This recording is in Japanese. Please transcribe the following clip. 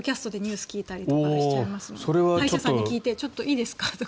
歯医者さんに聞いてちょっといいですか？とか。